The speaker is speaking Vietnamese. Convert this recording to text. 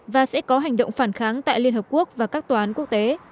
và sẽ có hành động phản kháng tại liên hợp quốc và các toán quốc tế